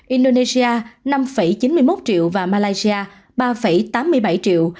indonesia năm chín mươi một triệu và malaysia ba tám mươi bảy triệu